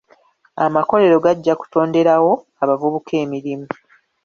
Amakolero gajja kutonderawo abavubuka emirimu.